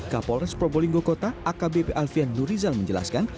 kapolres probolinggo kota akbp alfian nurizal menjelaskan